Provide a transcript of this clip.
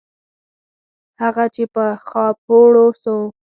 هغه چې په خاپوړو سو.